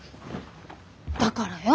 だからよ。